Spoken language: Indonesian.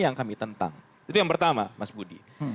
yang kami tentang itu yang pertama mas budi